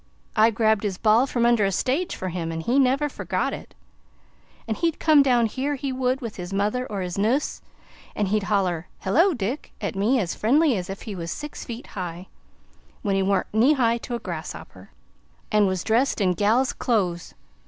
I grabbed his ball from under a stage fur him, an' he never forgot it; an' he'd come down here, he would, with his mother or his nuss and he'd holler: 'Hello, Dick!' at me, as friendly as if he was six feet high, when he warn't knee high to a grasshopper, and was dressed in gal's clo'es.